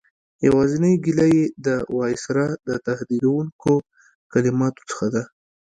یوازینۍ ګیله یې د وایسرا د تهدیدوونکو کلماتو څخه ده.